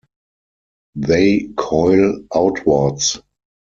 They coil outwards.